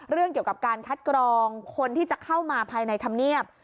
เรื่องเกี่ยวกับการคัดกรองคนที่จะเข้ามาภายในธรรมเนียบ